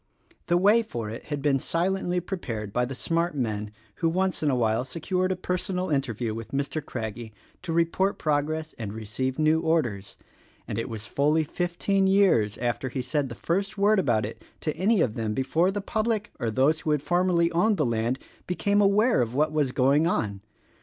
The way for it had been silently prepared by the smart men who once in a while secured a personal interview with Mr. Craggie to report progress and receive new orders, and it was fully fifteen years after he said the first word about it to any of them before the public, or those who had formerly owned the land, became aware of what was going on.